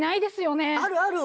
あるある。